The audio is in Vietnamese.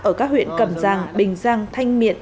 ở các huyện cầm giang bình giang thanh miện